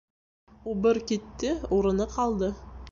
Убыр китте, урыны ҡалды.